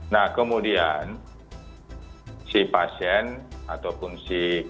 nah kemudian si pasien ataupun si korban